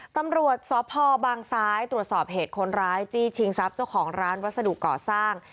ตำรวจสพบางซ้ายตรวจสอบเหตุคนร้ายจี้ชิงทรัพย์เจ้าของร้านวัสดุก่อสร้าง